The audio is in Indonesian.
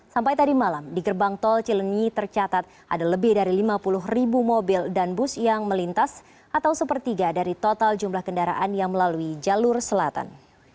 sampai tadi malam di gerbang tol cilenyi tercatat ada lebih dari lima puluh ribu mobil dan bus yang melintas atau sepertiga dari total jumlah kendaraan yang melalui jalur selatan